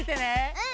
うん！